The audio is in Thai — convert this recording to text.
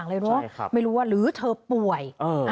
ไม่รู้ว่าหรือเธอป่วย